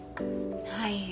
はい。